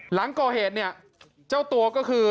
หลังก่อเหตุเนี่ยเจ้าตัวก็คือ